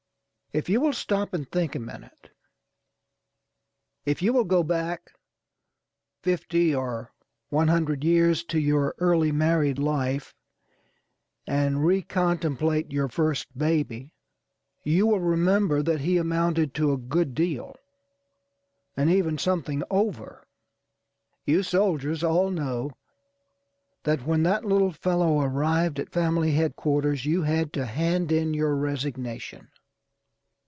If you will stop and think a minuteâ€"if you will go back fifty or one hundred years to your early married life and recontemplate your first babyâ€"you will remember that he amounted to a good deal, and even something over. You soldiers all know that when that little fellow arrived at family headquarters you had to hand in your resignation.